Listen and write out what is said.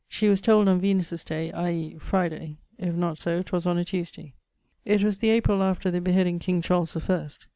She was told on Venus's day, i.e. Fryday: if not so, 'twas on a Tuesday. It was the April after the beheading King Charles the first.